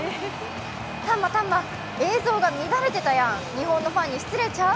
タンマ、タンマ、映像が乱れてたやん、日本のファンに失礼ちゃう！？